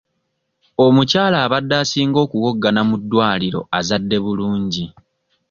Omukyala abadde asinga okuwoggana mu ddwaliro azadde bulungi.